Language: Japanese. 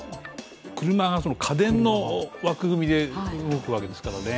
車が家電の枠組みで動くわけですからね。